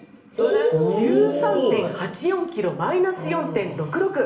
１３．８４ｋｇマイナス４．６６ｋｇ。